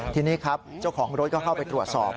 ทีนี้ครับเจ้าของรถก็เข้าไปตรวจสอบ